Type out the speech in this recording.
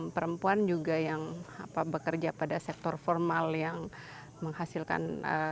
perempuan juga yang bekerja pada sektor formal yang menghasilkan